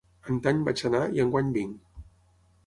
Antany vaig anar i enguany vinc.